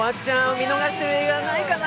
見逃してる映画ないかな？